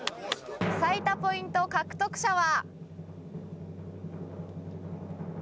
最多ポイント獲得者は。